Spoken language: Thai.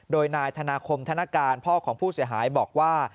โดยนายธนาคมธนการพ่อของผู้เสียหายบอกว่า